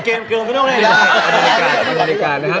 เกมเกินไม่ต้องได้ได้